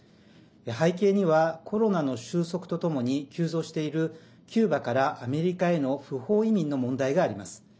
背景にはコロナの収束とともに急増しているキューバからアメリカへの不法移民の問題があります。